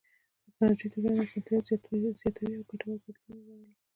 ټکنالوژي د ژوند اسانتیاوې زیاتوي او ګټور بدلونونه راولي.